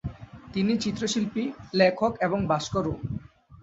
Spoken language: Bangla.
তিনি চিত্রশিল্পী, লেখক এবং ভাস্করও।